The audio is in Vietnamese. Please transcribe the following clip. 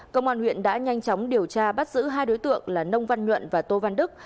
công an huyện đã nhanh chóng điều tra bắt giữ hai đối tượng là nông văn nhuận và tô văn đức